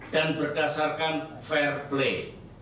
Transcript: dan berdasarkan fair play